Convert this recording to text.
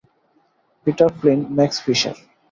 Peter Flynn, Max fisher.